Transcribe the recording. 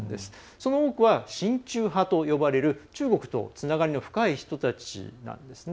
その多くは親中派と呼ばれる中国と、つながりが深い人たちなんですね。